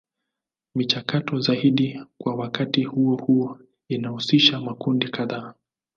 Michakato zaidi kwa wakati huo huo inahusisha makundi kadhaa.